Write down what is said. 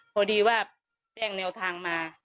พอดีว่าแจ้งแนวทางมา